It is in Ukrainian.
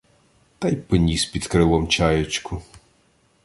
Та й поніс під крилом чаєчку.